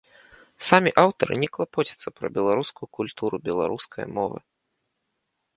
Самі аўтары не клапоцяцца пра беларускую культуру беларускае мовы.